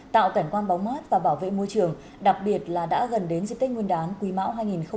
tạo cảnh quan bóng mát và bảo vệ môi trường đặc biệt là đã gần đến dịp tết nguyên đán quý mão hai nghìn hai mươi